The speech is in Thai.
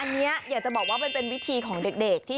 เฮ้ยมาช่วยทรัพย์ฮิรอล่ะ